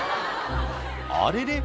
あれれ？